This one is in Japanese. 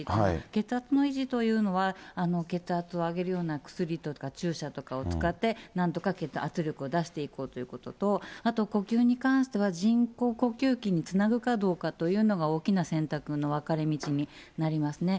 血圧の維持というのは、血圧を上げるような薬とか注射とかを使って、なんとか圧力を出していこうということと、あと呼吸に関しては、人工呼吸器につなぐかどうかっていうのが、大きな選択の分かれ道になりますね。